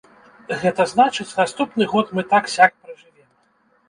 Гэта значыць, наступны год мы так-сяк пражывем.